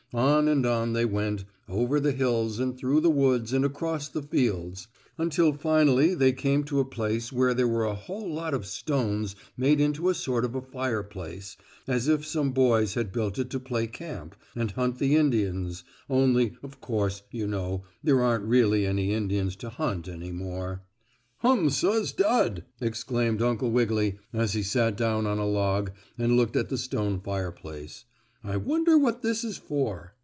On and on they went, over the hills and through the woods and across the fields, until finally they came to a place where there were a whole lot of stones made into a sort of a fireplace, as if some boys had built it to play camp, and hunt the Indians, only, of course, you know, there aren't really any Indians to hunt any more. "Hum suz dud!" exclaimed Uncle Wiggily, as he sat down on a log, and looked at the stone fireplace, "I wonder what this is for?"